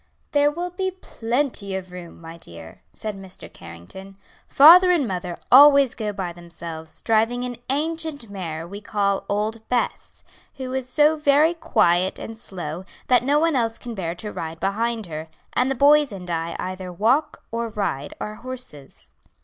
"There will be plenty of room, my dear," said Mr. Carrington; "father and mother always go by themselves, driving an ancient mare we call old Bess, who is so very quiet and slow that no one else can bear to ride behind her; and the boys and I either walk or ride our horses."